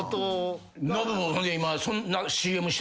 ノブもほんで今。